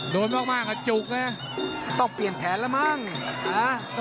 โดนมากมากกระจุกน่ะต้องเปลี่ยนแผนแล้วมั่งอ่ะ